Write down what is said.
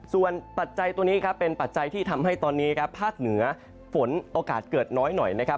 ส่วนปัจจัยตัวนี้ครับเป็นปัจจัยที่ทำให้ตอนนี้ครับภาคเหนือฝนโอกาสเกิดน้อยหน่อยนะครับ